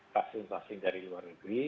vaksin vaksin dari luar negeri